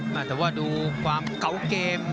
แต่ว่าดูความเก่าเกม